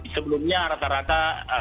sekarang rata rata tiga ratus